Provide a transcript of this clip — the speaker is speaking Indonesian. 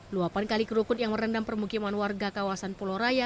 luapan kali kerukut yang merendam permukiman warga kawasan pulau raya